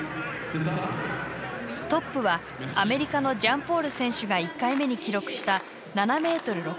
トップはアメリカのジャンポール選手が１回目に記録した７ｍ６ｃｍ。